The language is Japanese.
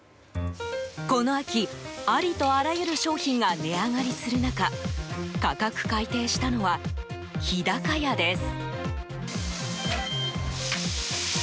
この秋、ありとあらゆる商品が値上がりする中価格改定したのは、日高屋です。